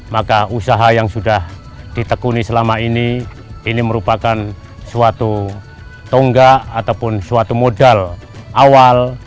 maka usaha yang sudah ditekuni selama ini ini merupakan suatu tonggak ataupun suatu modal awal